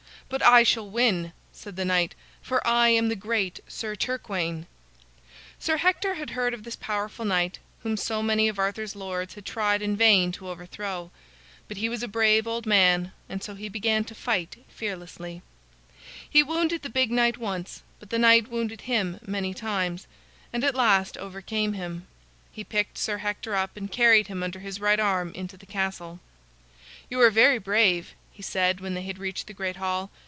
"But I shall win," said the knight, "for I am the great Sir Turquaine." Sir Hector had heard of this powerful knight whom so many of Arthur's lords had tried in vain to overthrow. But he was a brave old man, and so he began to fight fearlessly. He wounded the big knight once, but the knight wounded him many times, and at last overcame him. He picked Sir Hector up and carried him under his right arm into the castle. "You are very brave," he said, when they had reached the great hall.